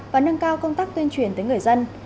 và nâng cao công tác tuyên truyền tới người dân